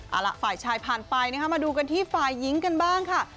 เอาล่ะฝ่ายชายผ่านไปนะคะมาดูกันที่ฝ่ายหญิงกันบ้างค่ะ